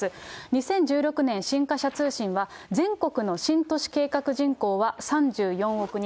２０１６年、新華社通信は、全国の新都市計画人口は３４億人。